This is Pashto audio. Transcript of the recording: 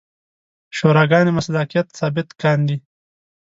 شوراګانې مصداقیت ثابت کاندي.